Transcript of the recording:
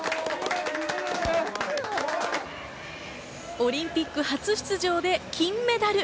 オリンピック初出場で金メダル。